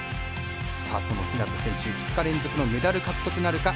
その日向選手２日連続のメダル獲得なるか。